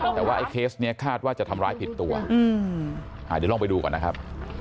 แต่ว่าไอ้เคสนี้คาดว่าจะทำร้ายผิดตัวเดี๋ยวลองไปดูก่อนนะครับ